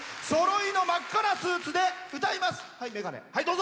そろいの真っ赤なスーツで歌います！